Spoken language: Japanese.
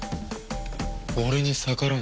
俺に逆らうのか？